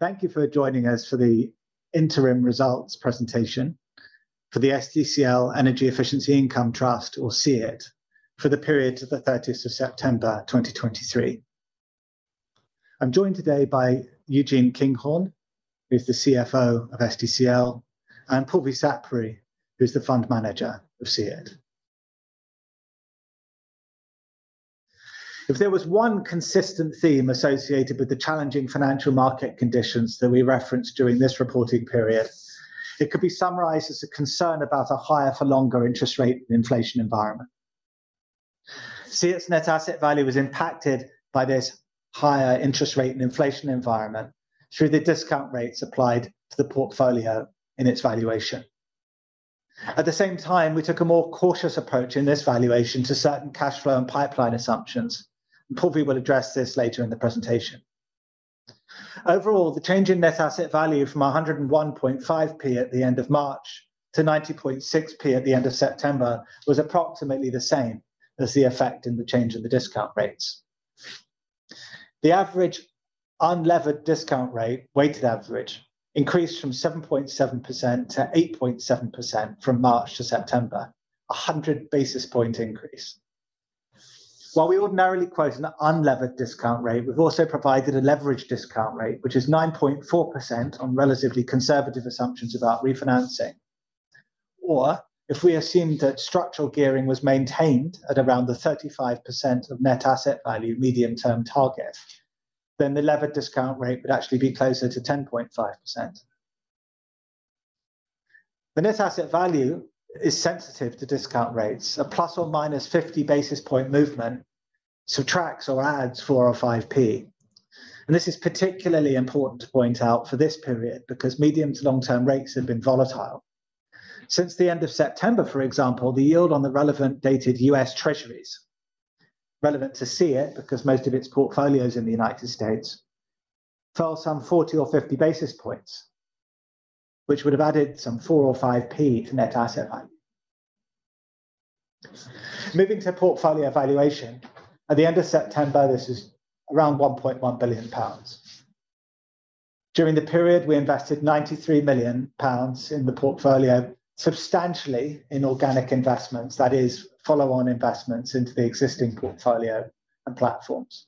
Thank you for joining us for the interim results presentation for the SDCL Energy Efficiency Income Trust, or SEIT, for the period to the 30th of September, 2023. I'm joined today by Eugene Kinghorn, who's the CFO of SDCL, and Purvi Sapre, who's the fund manager of SEIT. If there was one consistent theme associated with the challenging financial market conditions that we referenced during this reporting period, it could be summarized as a concern about a higher for longer interest rate and inflation environment. SEIT's net asset value was impacted by this higher interest rate and inflation environment through the discount rates applied to the portfolio in its valuation. At the same time, we took a more cautious approach in this valuation to certain cash flow and pipeline assumptions. Purvi will address this later in the presentation. Overall, the change in net asset value from 101.5p at the end of March to 90.6p at the end of September, was approximately the same as the effect in the change of the discount rates. The average unlevered discount rate, weighted average, increased from 7.7% to 8.7% from March to September, a 100 basis point increase. While we ordinarily quote an unlevered discount rate, we've also provided a leveraged discount rate, which is 9.4% on relatively conservative assumptions about refinancing. Or if we assume that structural gearing was maintained at around the 35% of net asset value medium-term target, then the levered discount rate would actually be closer to 10.5%. The net asset value is sensitive to discount rates, a plus or minus 50 basis point movement subtracts or adds 4p or 5p. And this is particularly important to point out for this period because medium to long-term rates have been volatile. Since the end of September, for example, the yield on the relevant dated U.S. Treasuries, relevant to SEIT because most of its portfolio is in the United States, fell some 40 or 50 basis points, which would have added some 4p or 5p to net asset value. Moving to portfolio valuation. At the end of September, this is around 1.1 billion pounds. During the period, we invested 93 million pounds in the portfolio, substantially in organic investments, that is, follow-on investments into the existing portfolio and platforms.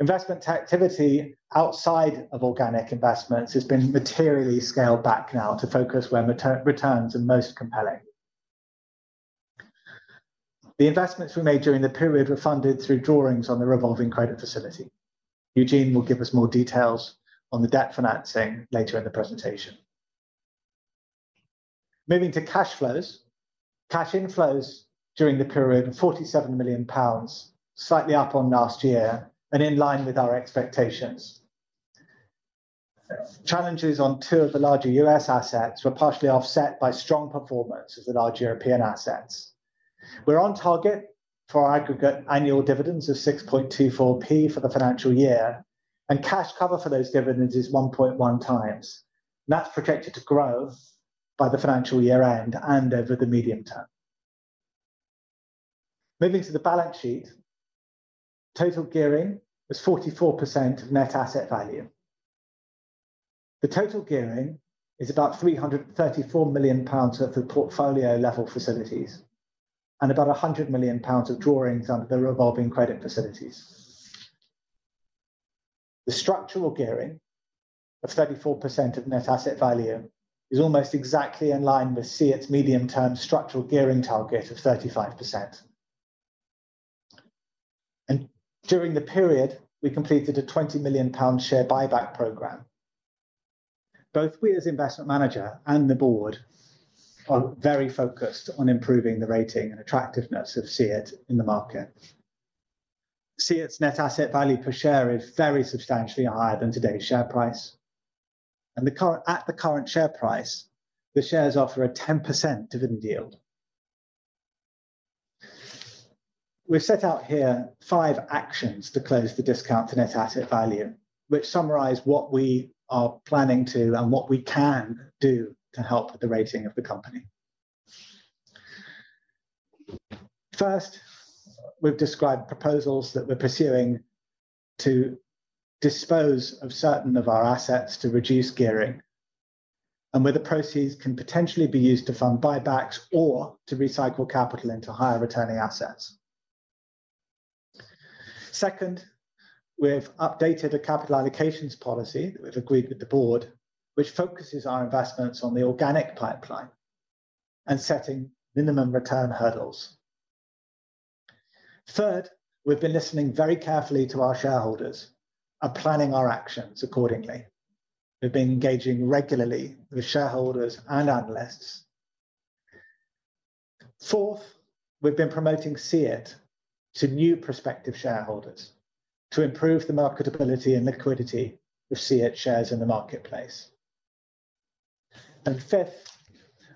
Investment activity outside of organic investments has been materially scaled back now to focus where return, returns are most compelling. The investments we made during the period were funded through drawings on the revolving credit facility. Eugene will give us more details on the debt financing later in the presentation. Moving to cash flows. Cash inflows during the period, 47 million pounds, slightly up on last year and in line with our expectations. Challenges on two of the larger U.S. assets were partially offset by strong performances in our European assets. We're on target for our aggregate annual dividends of 6.24p for the financial year, and cash cover for those dividends is 1.1 times. And that's projected to grow by the financial year-end and over the medium term. Moving to the balance sheet. Total gearing was 44% of net asset value. The total gearing is about 334 million pounds of the portfolio level facilities, and about 100 million pounds of drawings under the revolving credit facilities. The structural gearing of 34% of net asset value is almost exactly in line with SEIT's medium-term structural gearing target of 35%. During the period, we completed a 20 million pound share buyback program. Both we as investment manager and the board are very focused on improving the rating and attractiveness of SEIT in the market. SEIT's net asset value per share is very substantially higher than today's share price. The current share price, the shares offer a 10% dividend yield. We've set out here five actions to close the discount to net asset value, which summarize what we are planning to and what we can do to help with the rating of the company. First, we've described proposals that we're pursuing to dispose of certain of our assets to reduce gearing, and where the proceeds can potentially be used to fund buybacks or to recycle capital into higher returning assets. Second, we've updated a capital allocations policy that we've agreed with the board, which focuses our investments on the organic pipeline and setting minimum return hurdles. Third, we've been listening very carefully to our shareholders and planning our actions accordingly. We've been engaging regularly with shareholders and analysts. Fourth, we've been promoting SEIT to new prospective shareholders to improve the marketability and liquidity of SEIT shares in the marketplace. And fifth,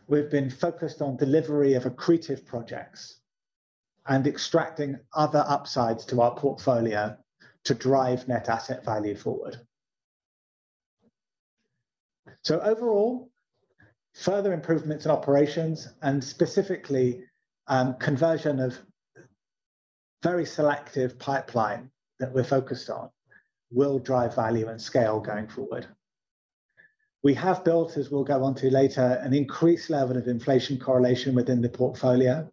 we've been focused on delivery of accretive projects and extracting other upsides to our portfolio to drive net asset value forward. So overall, further improvements in operations and specifically, conversion of very selective pipeline that we're focused on, will drive value and scale going forward. We have built, as we'll go on to later, an increased level of inflation correlation within the portfolio.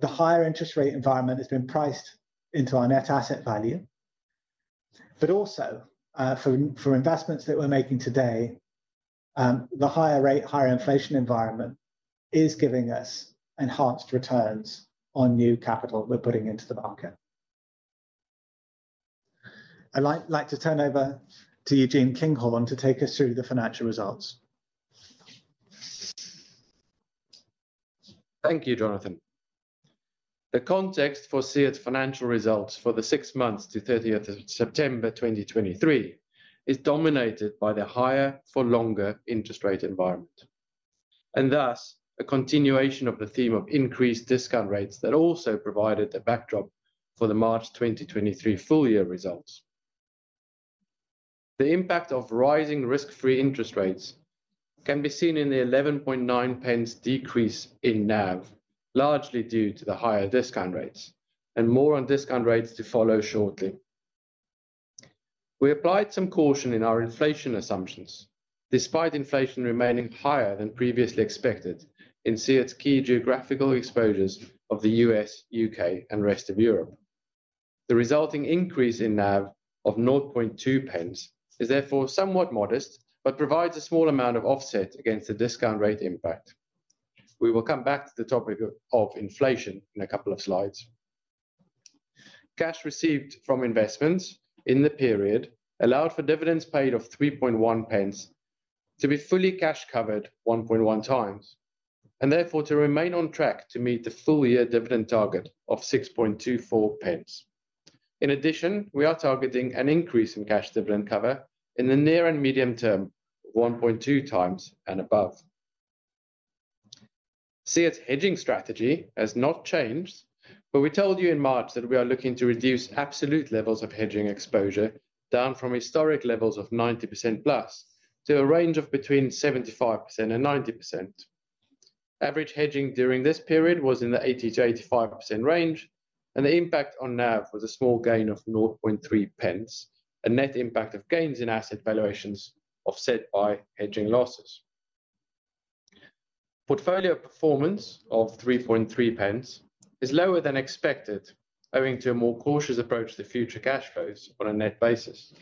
The higher interest rate environment has been priced into our net asset value, but also, for investments that we're making today, the higher rate, higher inflation environment is giving us enhanced returns on new capital we're putting into the market. I'd like to turn over to Eugene Kinghorn to take us through the financial results. Thank you, Jonathan. The context for SEIT's financial results for the six months to 30 September 2023, is dominated by the higher for longer interest rate environment, and thus, a continuation of the theme of increased discount rates that also provided a backdrop for the March 2023 full year results. The impact of rising risk-free interest rates can be seen in the 11.9 decrease in NAV, largely due to the higher discount rates, and more on discount rates to follow shortly. We applied some caution in our inflation assumptions, despite inflation remaining higher than previously expected in SEIT's key geographical exposures of the U.S., U.K., and rest of Europe. The resulting increase in NAV of 0.2 is therefore somewhat modest, but provides a small amount of offset against the discount rate impact. We will come back to the topic of inflation in a couple of slides. Cash received from investments in the period allowed for dividends paid of 3.1 to be fully cash covered 1.1 times, and therefore to remain on track to meet the full year dividend target of 6.24. In addition, we are targeting an increase in cash dividend cover in the near and medium term, 1.2 times and above. SEIT's hedging strategy has not changed, but we told you in March that we are looking to reduce absolute levels of hedging exposure down from historic levels of 90%+, to a range of between 75% and 90%. Average hedging during this period was in the 80%-85% range, and the impact on NAV was a small gain of 0.3, a net impact of gains in asset valuations offset by hedging losses. Portfolio performance of 3.3 is lower than expected, owing to a more cautious approach to future cash flows on a net basis.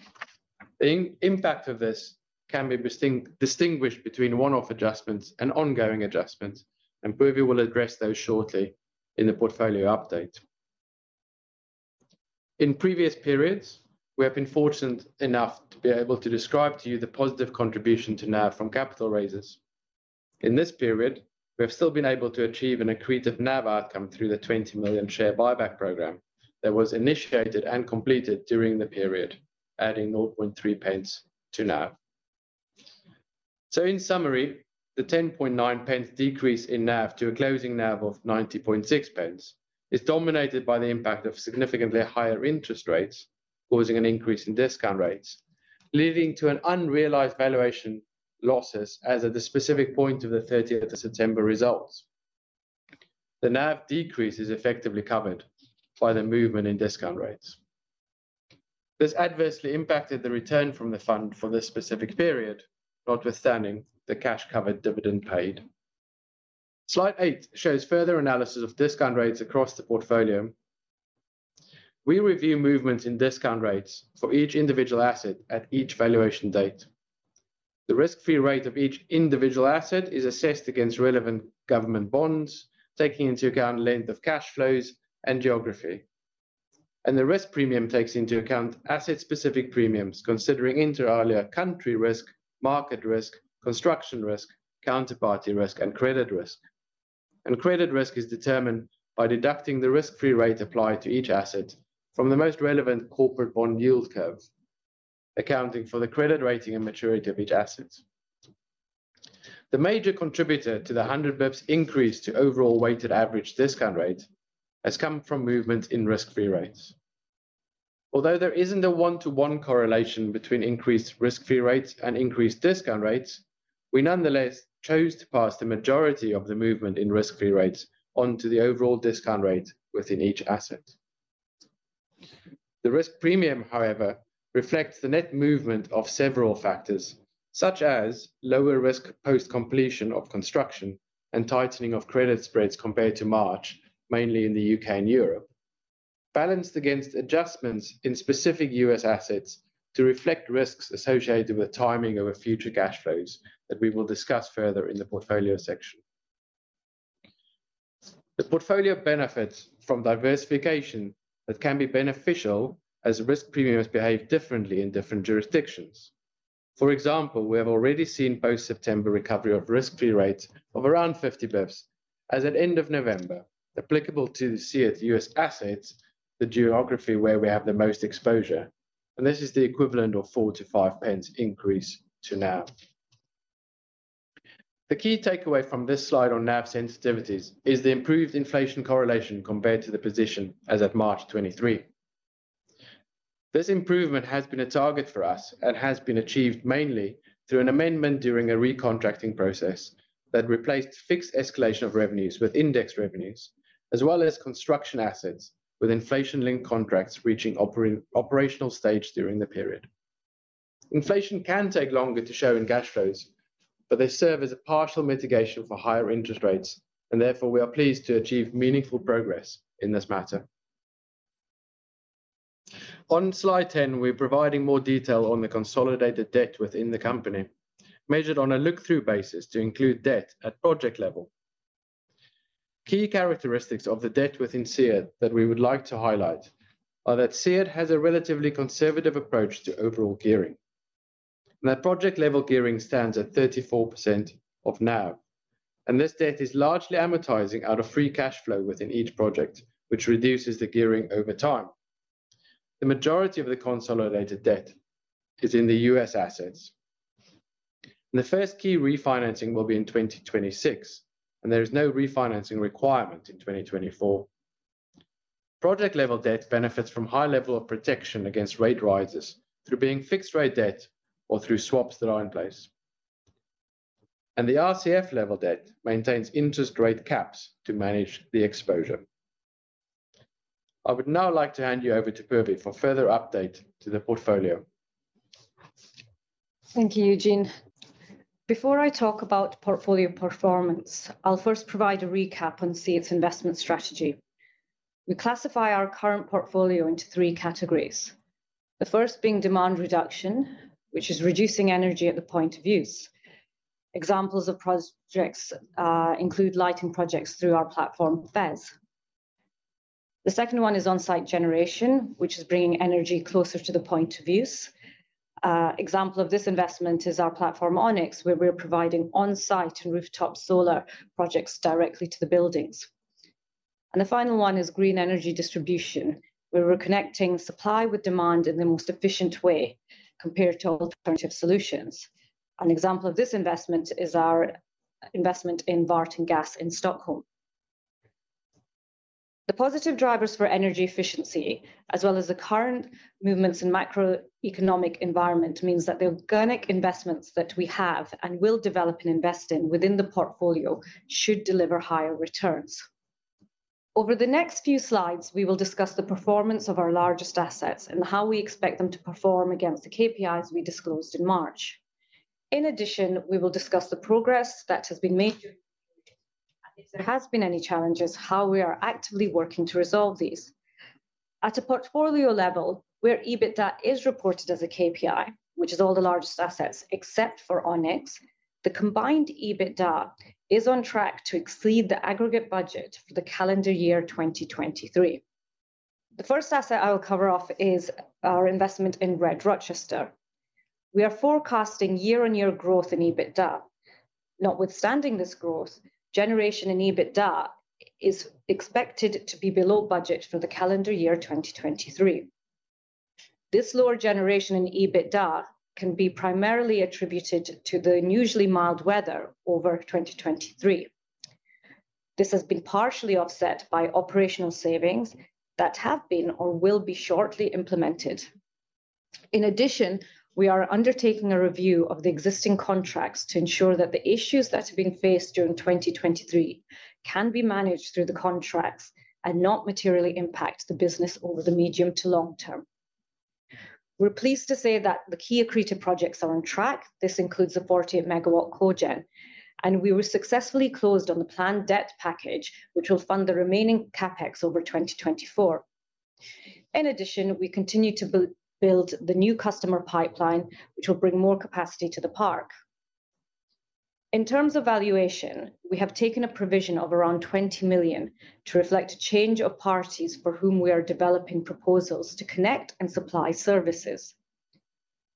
The impact of this can be distinguished between one-off adjustments and ongoing adjustments, and Purvi will address those shortly in the portfolio update. In previous periods, we have been fortunate enough to be able to describe to you the positive contribution to NAV from capital raises. In this period, we have still been able to achieve an accretive NAV outcome through the 20 million share buyback program that was initiated and completed during the period, adding 0.3 to NAV. So in summary, the 0.109 decrease in NAV to a closing NAV of 0.906, is dominated by the impact of significantly higher interest rates, causing an increase in discount rates, leading to an unrealized valuation losses as at the specific point of the thirtieth of September results. The NAV decrease is effectively covered by the movement in discount rates. This adversely impacted the return from the fund for this specific period, notwithstanding the cash covered dividend paid. Slide eight shows further analysis of discount rates across the portfolio. We review movements in discount rates for each individual asset at each valuation date. The risk-free rate of each individual asset is assessed against relevant government bonds, taking into account length of cash flows and geography. The risk premium takes into account asset-specific premiums, considering inter alia, country risk, market risk, construction risk, counterparty risk, and credit risk. Credit risk is determined by deducting the risk-free rate applied to each asset from the most relevant corporate bond yield curve, accounting for the credit rating and maturity of each asset. The major contributor to the 100 basis points increase to overall weighted average discount rate has come from movement in risk-free rates. Although there isn't a one-to-one correlation between increased risk-free rates and increased discount rates, we nonetheless chose to pass the majority of the movement in risk-free rates onto the overall discount rate within each asset. The risk premium, however, reflects the net movement of several factors, such as lower risk post-completion of construction and tightening of credit spreads compared to March, mainly in the U.K. and Europe. Balanced against adjustments in specific U.S. assets to reflect risks associated with timing of a future cash flows that we will discuss further in the portfolio section. The portfolio benefits from diversification that can be beneficial as risk premiums behave differently in different jurisdictions. For example, we have already seen post-September recovery of risk-free rates of around 50 basis points as at end of November, applicable to the SEIT's U.S. assets, the geography where we have the most exposure, and this is the equivalent of 4-5 increase to NAV. The key takeaway from this slide on NAV sensitivities is the improved inflation correlation compared to the position as of March 2023. This improvement has been a target for us and has been achieved mainly through an amendment during a recontracting process that replaced fixed escalation of revenues with index revenues, as well as construction assets, with inflation-linked contracts reaching operational stage during the period. Inflation can take longer to show in cash flows, but they serve as a partial mitigation for higher interest rates, and therefore, we are pleased to achieve meaningful progress in this matter. On slide 10, we're providing more detail on the consolidated debt within the company, measured on a look-through basis to include debt at project level. Key characteristics of the debt within SEIT that we would like to highlight are that SEIT has a relatively conservative approach to overall gearing, and that project-level gearing stands at 34% now, and this debt is largely amortizing out of free cash flow within each project, which reduces the gearing over time. The majority of the consolidated debt is in the U.S. assets. The first key refinancing will be in 2026, and there is no refinancing requirement in 2024. Project-level debt benefits from high level of protection against rate rises through being fixed-rate debt or through swaps that are in place. The RCF-level debt maintains interest rate caps to manage the exposure. I would now like to hand you over to Purvi for further update to the portfolio. Thank you, Eugene. Before I talk about portfolio performance, I'll first provide a recap on SEIT's investment strategy. We classify our current portfolio into three categories. The first being demand reduction, which is reducing energy at the point of use. Examples of projects include lighting projects through our platform, FES. The second one is on-site generation, which is bringing energy closer to the point of use. Example of this investment is our platform, Onyx, where we're providing on-site and rooftop solar projects directly to the buildings. The final one is green energy distribution, where we're connecting supply with demand in the most efficient way compared to alternative solutions. An example of this investment is our investment in Värtan Gas in Stockholm. The positive drivers for energy efficiency, as well as the current movements in macroeconomic environment, means that the organic investments that we have and will develop and invest in within the portfolio should deliver higher returns. Over the next few slides, we will discuss the performance of our largest assets and how we expect them to perform against the KPIs we disclosed in March. In addition, we will discuss the progress that has been made, and if there has been any challenges, how we are actively working to resolve these. At a portfolio level, where EBITDA is reported as a KPI, which is all the largest assets except for Onyx, the combined EBITDA is on track to exceed the aggregate budget for the calendar year 2023. The first asset I will cover off is our investment in RED-Rochester. We are forecasting year-on-year growth in EBITDA. Notwithstanding this growth, generation in EBITDA is expected to be below budget for the calendar year 2023. This lower generation in EBITDA can be primarily attributed to the unusually mild weather over 2023. This has been partially offset by operational savings that have been or will be shortly implemented. In addition, we are undertaking a review of the existing contracts to ensure that the issues that have been faced during 2023 can be managed through the contracts and not materially impact the business over the medium to long term. We're pleased to say that the key accretive projects are on track. This includes a 40-megawatt cogen, and we were successfully closed on the planned debt package, which will fund the remaining CapEx over 2024. In addition, we continue to build the new customer pipeline, which will bring more capacity to the park. In terms of valuation, we have taken a provision of around 20 million to reflect a change of parties for whom we are developing proposals to connect and supply services.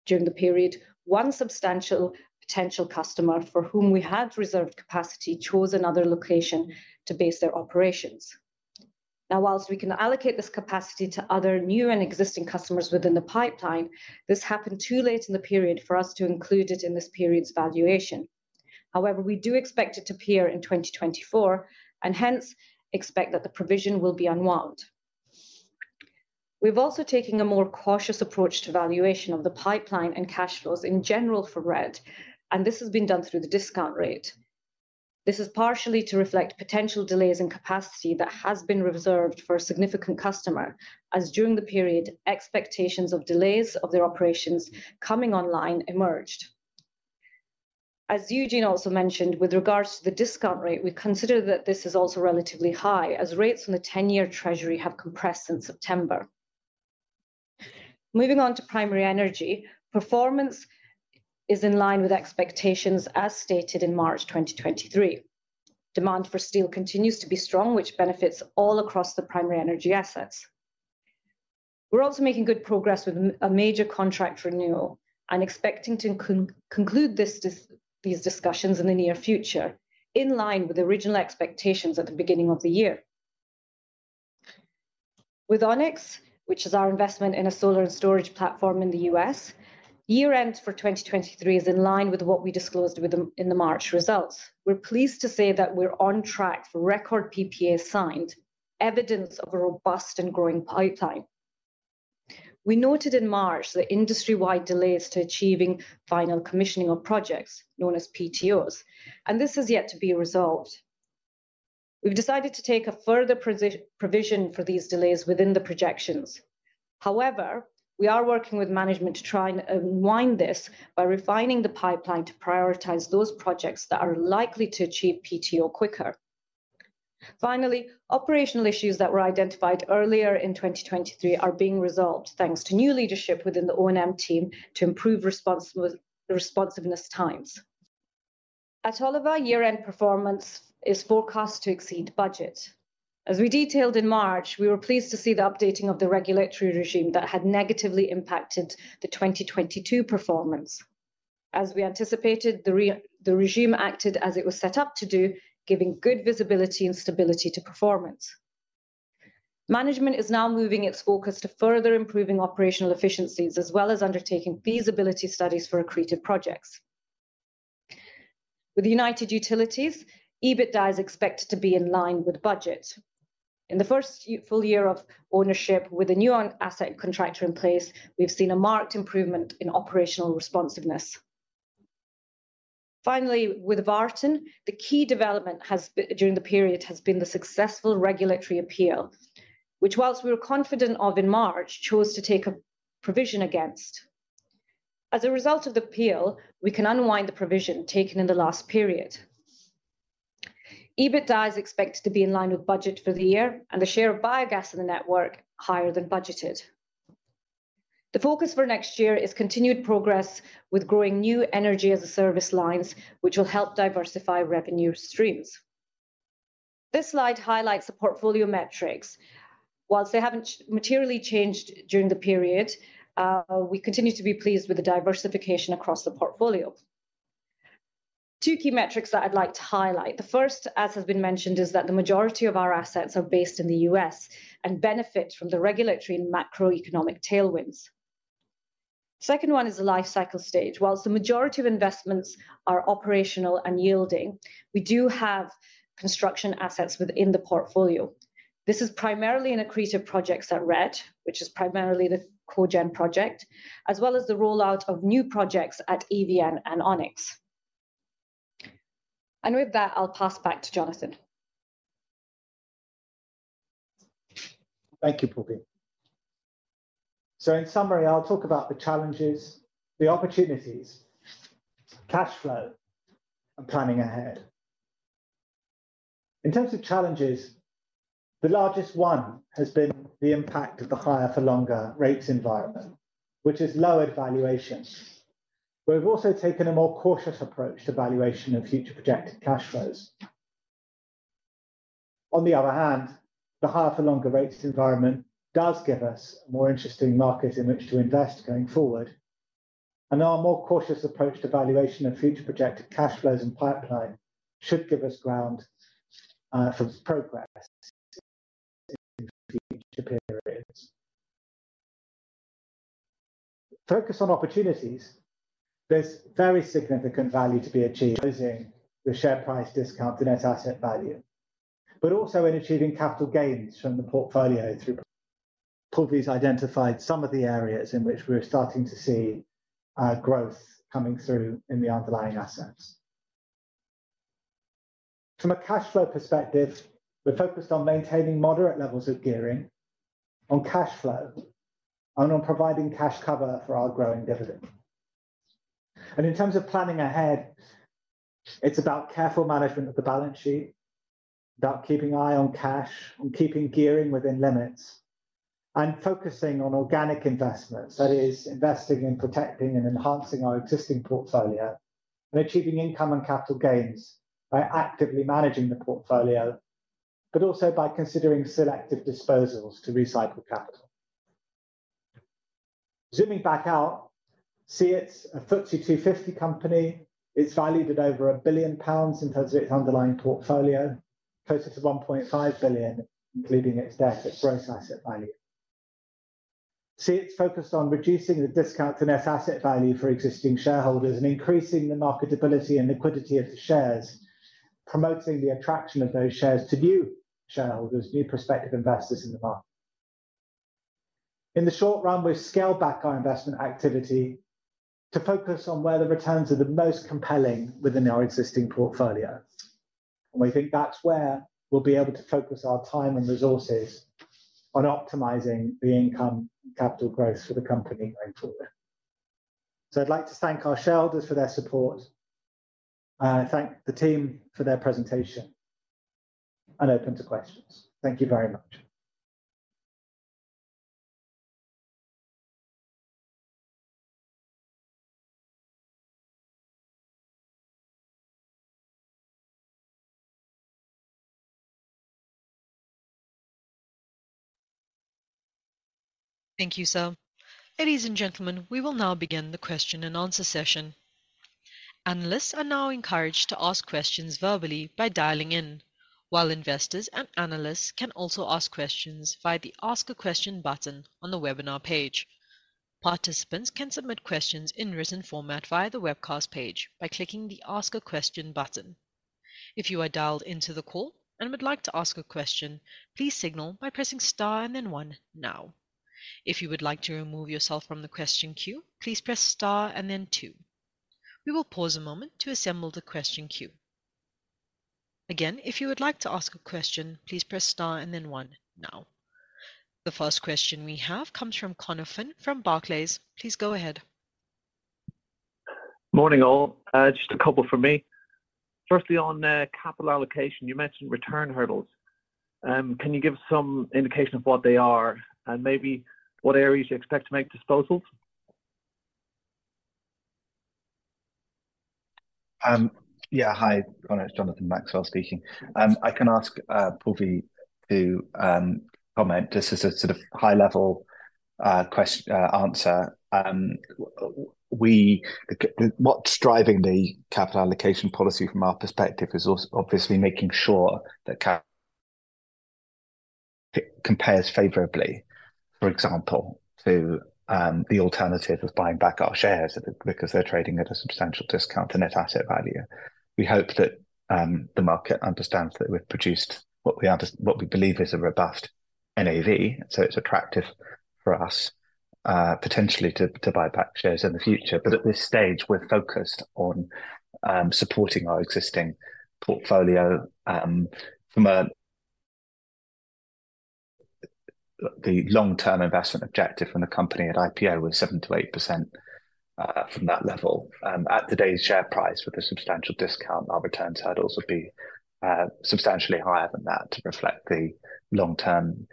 During the period, one substantial potential customer for whom we had reserved capacity, chose another location to base their operations. Now, whilst we can allocate this capacity to other new and existing customers within the pipeline, this happened too late in the period for us to include it in this period's valuation. However, we do expect it to appear in 2024, and hence, expect that the provision will be unwound. We've also taken a more cautious approach to valuation of the pipeline and cash flows in general for RED, and this has been done through the discount rate. This is partially to reflect potential delays in capacity that has been reserved for a significant customer, as during the period, expectations of delays of their operations coming online emerged. As Eugene also mentioned, with regards to the discount rate, we consider that this is also relatively high, as rates on the 10-year treasury have compressed since September. Moving on to Primary Energy, performance is in line with expectations as stated in March 2023. Defmand for steel continues to be strong, which benefits all across the Primary Energy assets. We're also making good progress with a major contract renewal and expecting to conclude these discussions in the near future, in line with the original expectations at the beginning of the year. With Onyx, which is our investment in a solar and storage platform in the U.S., year-end for 2023 is in line with what we disclosed with the, in the March results. We're pleased to say that we're on track for record PPA signed, evidence of a robust and growing pipeline. We noted in March the industry-wide delays to achieving final commissioning of projects known as PTOs, and this is yet to be resolved. We've decided to take a further provision for these delays within the projections. However, we are working with management to try and unwind this by refining the pipeline to prioritize those projects that are likely to achieve PTO quicker. Finally, operational issues that were identified earlier in 2023 are being resolved, thanks to new leadership within the O&M team to improve response with the responsiveness times. At Oliva, year-end performance is forecast to exceed budget. As we detailed in March, we were pleased to see the updating of the regulatory regime that had negatively impacted the 2022 performance. As we anticipated, the regime acted as it was set up to do, giving good visibility and stability to performance. Management is now moving its focus to further improving operational efficiencies, as well as undertaking feasibility studies for accretive projects. With United Utilities, EBITDA is expected to be in line with budget. In the first full year of ownership with a new on-asset contractor in place, we've seen a marked improvement in operational responsiveness. Finally, with Värtan, the key development has been during the period has been the successful regulatory appeal, which, whilst we were confident of in March, chose to take a provision against. As a result of the appeal, we can unwind the provision taken in the last period. EBITDA is expected to be in line with budget for the year, and the share of biogas in the network higher than budgeted. The focus for next year is continued progress with growing new energy as a service lines, which will help diversify revenue streams. This slide highlights the portfolio metrics. While they haven't materially changed during the period, we continue to be pleased with the diversification across the portfolio. Two key metrics that I'd like to highlight. The first, as has been mentioned, is that the majority of our assets are based in the U.S. and benefit from the regulatory and macroeconomic tailwinds. Second one is the Li-Cycle stage. While the majority of investments are operational and yielding, we do have construction assets within the portfolio. This is primarily in accretive projects at RED, which is primarily the Cogen project, as well as the rollout of new projects at EVN and Onyx. And with that, I'll pass back to Jonathan. Thank you, Purvi. So in summary, I'll talk about the challenges, the opportunities, cash flow, and planning ahead. In terms of challenges, the largest one has been the impact of the higher for longer rates environment, which has lowered valuations. We've also taken a more cautious approach to valuation of future projected cash flows. On the other hand, the higher for longer rates environment does give us a more interesting market in which to invest going forward. And our more cautious approach to valuation and future projected cash flows and pipeline should give us ground for progress in future periods. Focus on opportunities. There's very significant value to be achieved using the share price discount to net asset value, but also in achieving capital gains from the portfolio through... Purvi's identified some of the areas in which we're starting to see growth coming through in the underlying assets. From a cash flow perspective, we're focused on maintaining moderate levels of gearing on cash flow and on providing cash cover for our growing dividend. And in terms of planning ahead, it's about careful management of the balance sheet, about keeping eye on cash and keeping gearing within limits, and focusing on organic investments. That is, investing in protecting and enhancing our existing portfolio, and achieving income and capital gains by actively managing the portfolio, but also by considering selective disposals to recycle capital. Zooming back out, SEIT is a FTSE 250 company. It's valued at over 1 billion pounds in terms of its underlying portfolio, closer to 1.5 billion, including its debt, its gross asset value. SEIT's focused on reducing the discount to net asset value for existing shareholders and increasing the marketability and liquidity of the shares, promoting the attraction of those shares to new shareholders, new prospective investors in the market. In the short run, we've scaled back our investment activity to focus on where the returns are the most compelling within our existing portfolio, and we think that's where we'll be able to focus our time and resources on optimizing the income capital growth for the company going forward. So I'd like to thank our shareholders for their support, thank the team for their presentation, and open to questions. Thank you very much. Thank you, sir. Ladies and gentlemen, we will now begin the question and answer session. Analysts are now encouraged to ask questions verbally by dialing in, while investors and analysts can also ask questions via the Ask a Question button on the webinar page. Participants can submit questions in written format via the webcast page by clicking the Ask a Question button. If you are dialed into the call and would like to ask a question, please signal by pressing star and then one now. If you would like to remove yourself from the question queue, please press star and then two. We will pause a moment to assemble the question queue. Again, if you would like to ask a question, please press star and then one now. The first question we have comes from Conor Finn from Barclays. Please go ahead. Morning, all. Just a couple from me. Firstly, on capital allocation, you mentioned return hurdles. Can you give some indication of what they are and maybe what areas you expect to make disposals? Yeah. Hi, Conor. It's Jonathan Maxwell speaking. I can ask Purvi to comment. This is a sort of high-level answer. What's driving the capital allocation policy from our perspective is obviously making sure that CapEx compares favorably, for example, to the alternative of buying back our shares because they're trading at a substantial discount to net asset value. We hope that the market understands that we've produced what we believe is a robust NAV, so it's attractive for us potentially to buy back shares in the future. But at this stage, we're focused on supporting our existing portfolio from a... The long-term investment objective when the company at IPO was 7%-8% from that level. At today's share price, with a substantial discount, our return hurdles would be substantially higher than that to reflect the long-term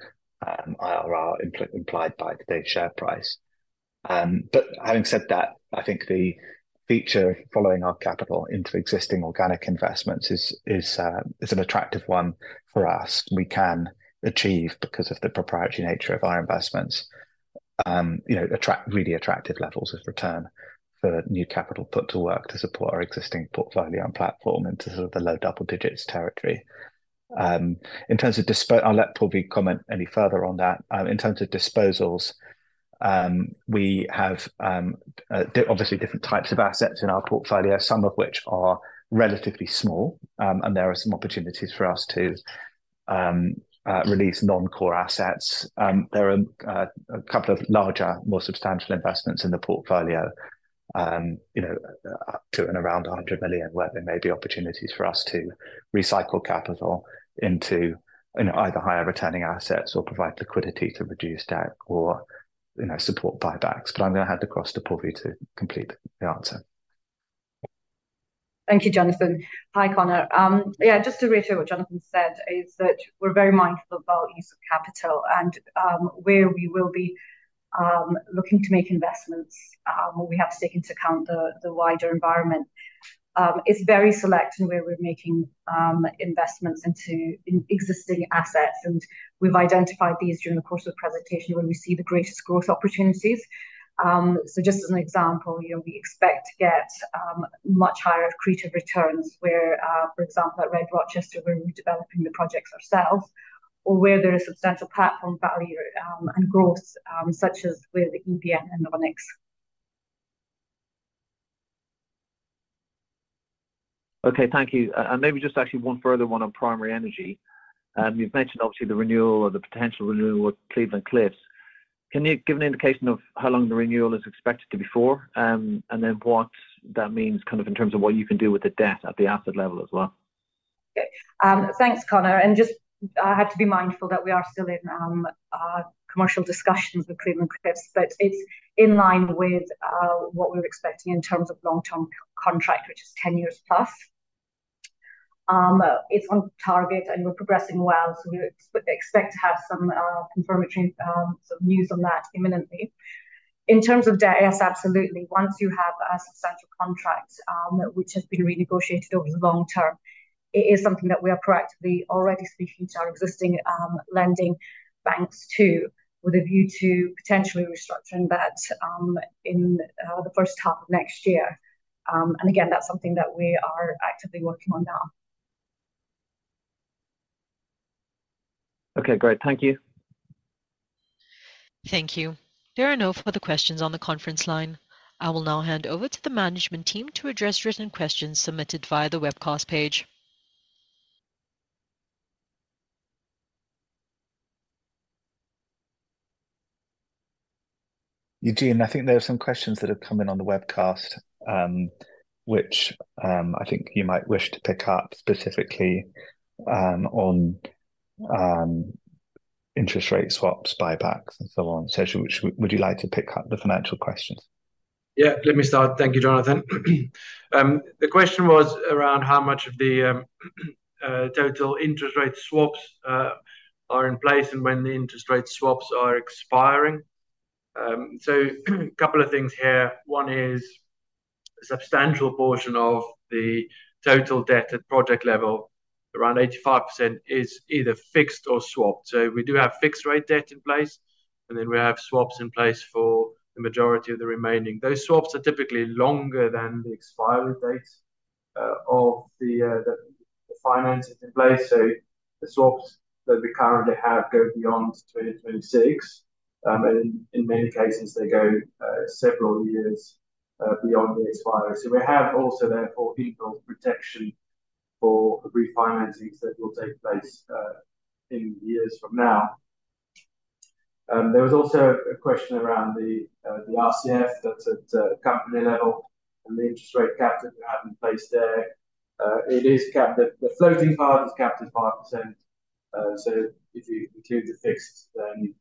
IRR implied by today's share price. But having said that, I think the feature following our capital into existing organic investments is an attractive one for us. We can achieve, because of the proprietary nature of our investments, you know, attract really attractive levels of return for new capital put to work to support our existing portfolio and platform into sort of the low double digits territory. In terms of, I'll let Purvi comment any further on that. In terms of disposals, we have obviously different types of assets in our portfolio, some of which are relatively small. And there are some opportunities for us to release non-core assets. There are a couple of larger, more substantial investments in the portfolio, you know, up to and around 100 million, where there may be opportunities for us to recycle capital into, you know, either higher returning assets or provide liquidity to reduce debt or, you know, support buybacks. But I'm gonna hand across to Purvi to complete the answer. Thank you, Jonathan. Hi, Conor. Yeah, just to reiterate what Jonathan said, is that we're very mindful of our use of capital and where we will be looking to make investments where we have to take into account the wider environment. It's very select in where we're making investments into existing assets, and we've identified these during the course of the presentation where we see the greatest growth opportunities. So just as an example, you know, we expect to get much higher accretive returns where, for example, at RED-Rochester, we're redeveloping the projects ourselves or where there is substantial platform value and growth, such as with EVN and Onyx. Okay. Thank you. Maybe just actually one further one on Primary Energy. You've mentioned obviously the renewal or the potential renewal with Cleveland-Cliffs. Can you give an indication of how long the renewal is expected to be for? Then what that means kind of in terms of what you can do with the debt at the asset level as well. Okay. Thanks, Conor, and just, I have to be mindful that we are still in commercial discussions with Cleveland-Cliffs, but it's in line with what we're expecting in terms of long-term contract, which is 10 years plus. It's on target, and we're progressing well, so we expect to have some confirmatory sort of news on that imminently. In terms of debt, yes, absolutely. Once you have a substantial contract, which has been renegotiated over the long term, it is something that we are proactively already speaking to our existing lending banks too, with a view to potentially restructuring that in the first half of next year. And again, that's something that we are actively working on now. Okay, great. Thank you. Thank you. There are no further questions on the conference line. I will now hand over to the management team to address written questions submitted via the webcast page. Eugene, I think there are some questions that have come in on the webcast, which, I think you might wish to pick up, specifically, on, interest rate swaps, buybacks, and so on. So should, would you like to pick up the financial questions? Yeah, let me start. Thank you, Jonathan. The question was around how much of the total interest rate swaps are in place and when the interest rate swaps are expiring. So couple of things here. One is- A substantial portion of the total debt at project level, around 85%, is either fixed or swapped. So we do have fixed rate debt in place, and then we have swaps in place for the majority of the remaining. Those swaps are typically longer than the expiry date of the finances in place. So the swaps that we currently have go beyond 2026, and in many cases, they go several years beyond the expiry. So we have also, therefore, in-built protection for the refinancings that will take place in years from now. There was also a question around the RCF that's at company level and the interest rate cap that we have in place there. The floating part is capped at 5%.So if you include the fixed, then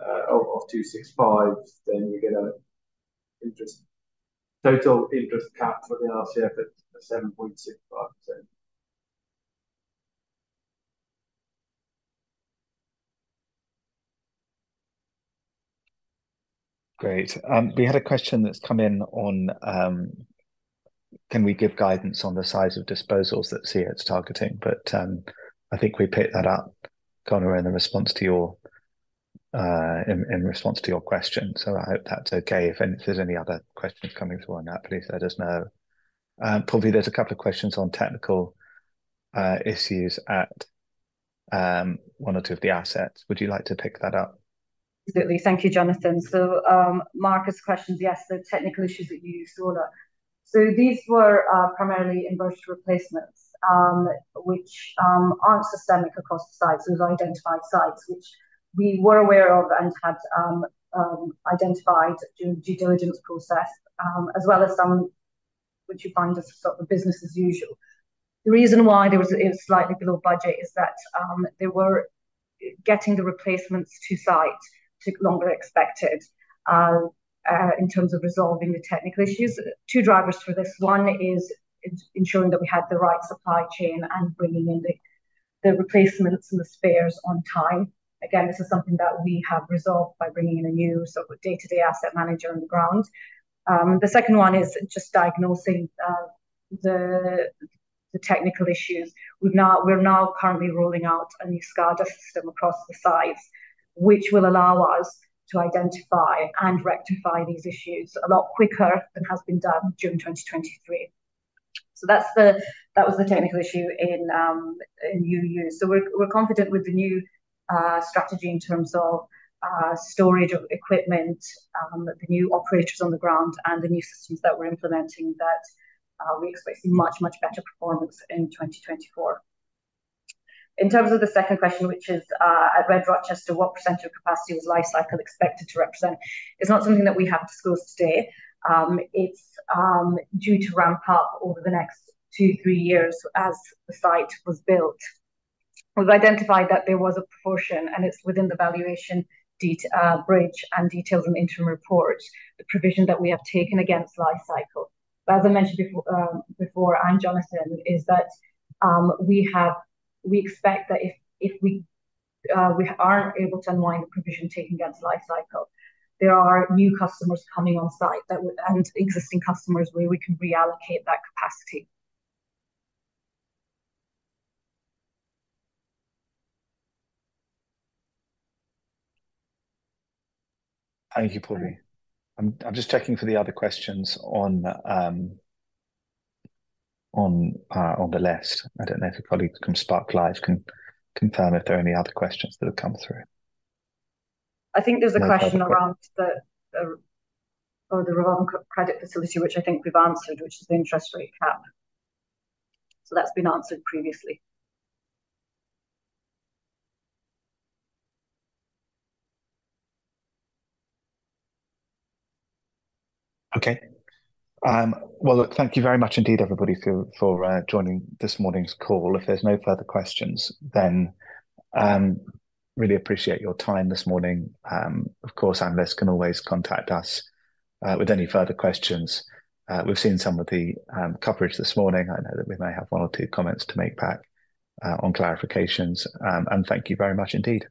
of 2.65, then you get a interest total interest cap for the RCF at 7.65%. Great. We had a question that's come in on, can we give guidance on the size of disposals that SEIT is targeting? But, I think we picked that up, Conor, in the response to your question. So I hope that's okay. If there's any other questions coming through on that, please let us know. Purvi, there's a couple of questions on technical, issues at, one or two of the assets. Would you like to pick that up? Absolutely. Thank you, Jonathan. So, Marcus questioned, yes, the technical issues that you saw there. So these were, primarily inverter replacements, which aren't systemic across the sites. It was identified sites, which we were aware of and had identified during due diligence process, as well as some which you find as sort of business as usual. The reason why there was a slightly below budget is that, they were getting the replacements to site took longer than expected, in terms of resolving the technical issues. Two drivers for this, one is ensuring that we had the right supply chain and bringing in the replacements and the spares on time. Again, this is something that we have resolved by bringing in a new sort of day-to-day asset manager on the ground. The second one is just diagnosing the technical issues. We're now currently rolling out a new SCADA system across the sites, which will allow us to identify and rectify these issues a lot quicker than has been done during 2023. So that's the. That was the technical issue in UU. So we're confident with the new strategy in terms of storage of equipment, the new operators on the ground, and the new systems that we're implementing, that we expect to see much, much better performance in 2024. In terms of the second question, which is at RED-Rochester, what percentage of capacity was Li-Cycle expected to represent? It's not something that we have to disclose today. It's due to ramp up over the next two to three years as the site was built. We've identified that there was a proportion, and it's within the valuation detail bridge and details in the interim report, the provision that we have taken against Li-Cycle. But as I mentioned before, before, and Jonathan, is that, we expect that if we are able to unwind the provision taking against Li-Cycle, there are new customers coming on site that would... and existing customers where we can reallocate that capacity. Thank you, Purvi. I'm just checking for the other questions on the list. I don't know if a colleague from Spark LIVE can confirm if there are any other questions that have come through. I think there's a question around the, or the wrong credit facility, which I think we've answered, which is the interest rate cap. So that's been answered previously. Okay. Well, look, thank you very much indeed, everybody, for joining this morning's call. If there's no further questions, then really appreciate your time this morning. Of course, analysts can always contact us with any further questions. We've seen some of the coverage this morning. I know that we may have one or two comments to make back on clarifications. And thank you very much indeed.